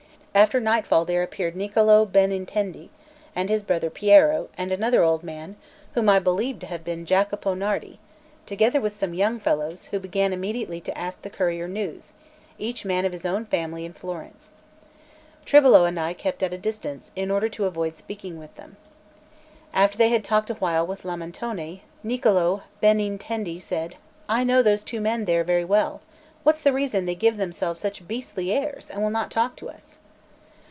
After nightfall there appeared Niccolò Benintendi, and his brother Piero, and another old man, whom I believe to have been Jacopo Nardi, together with some young fellows, who began immediately to ask the courier news, each man of his own family in Florence. Tribolo and I kept at a distance, in order to avoid speaking with them. After they had talked a while with Lamentone, Niccolò Benintendi said: "I know those two men there very well; what's the reason they give themselves such beastly airs, and will not talk to us?"